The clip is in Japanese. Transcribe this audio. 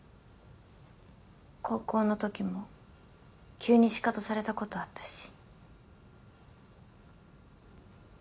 高校のときも急にシカトされたことあったし。